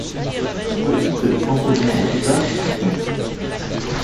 petite trentenaire au visage poupin.